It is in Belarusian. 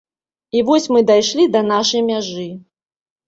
І вось мы дайшлі да нашай мяжы.